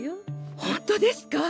ホントですか！？